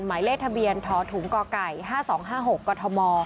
หมายเลขทะเบียนทถุงกไก่๕๒๕๖กฎธม